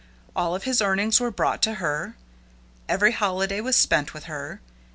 All of his earnings were brought to her. Every holiday was spent with her.